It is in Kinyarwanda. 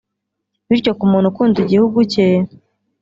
bityo ku muntu ukunda igihugu cye